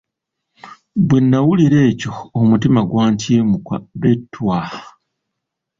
Bwe nawulira ekyo omutima gwantyemuka be ttwa.